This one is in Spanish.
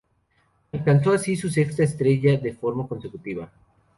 Alcanzó así su sexta estrella de forma consecutiva.